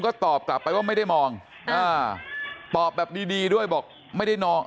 ก็ตอบกลับไปว่าไม่ได้มองอ่าตอบแบบดีดีด้วยบอกไม่ได้มอง